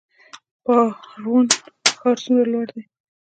پارون ښار څومره لوړ دی؟